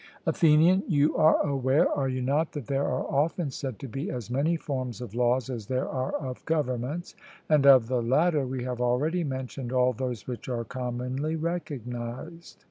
ATHENIAN: You are aware, are you not? that there are often said to be as many forms of laws as there are of governments, and of the latter we have already mentioned all those which are commonly recognized.